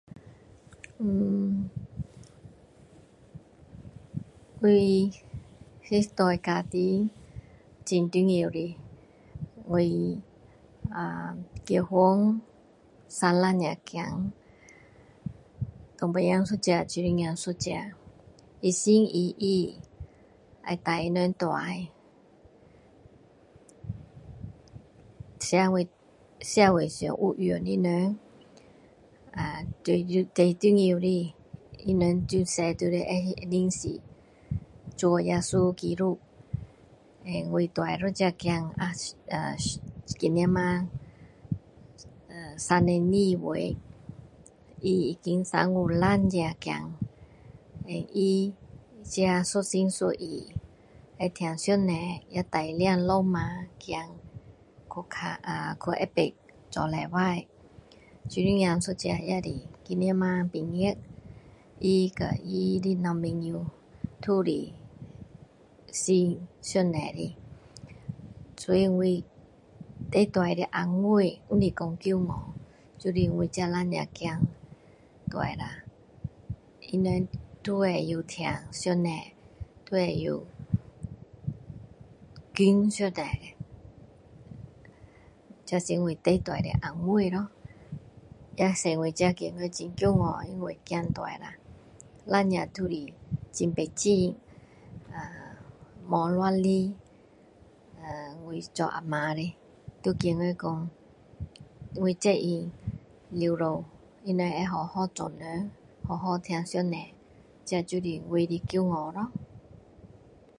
Erm我是对家庭很重要的我的啊结婚生两个孩子男孩子一个女孩子一个一心一意要带他们大社会社会上有用的人啊最重要的他们从小就是要认识主耶稣基督我大的那个儿子啊树啊今年32岁他已经生有两个孩子then他自己一心一意会疼上帝会带领老婆孩子去看去知道做礼拜女孩子一个也是今年毕业他和他的男朋友都是信上帝的所以我最大的安慰不是说骄傲就是我这两个孩子长大下他们都会疼上帝都会跟上帝这是我最大的安慰咯也使我自己很骄傲因为孩子长大了两个都是很懂事没有乱来呃我做啊妈的都觉得说我责任完了他们会好好做人好好疼上帝这就是我的骄傲咯